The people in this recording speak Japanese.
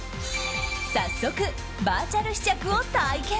早速、バーチャル試着を体験。